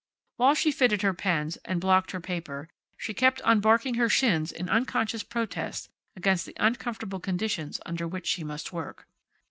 While she fitted her pens, and blocked her paper, she kept on barking her shins in unconscious protest against the uncomfortable conditions under which she must work.